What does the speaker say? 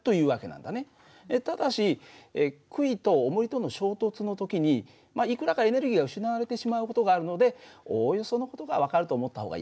ただしくいとおもりとの衝突の時にいくらかエネルギーが失われてしまう事があるのでおおよその事が分かると思った方がいいのかな。